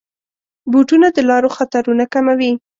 بوټونه د لارو خطرونه کموي.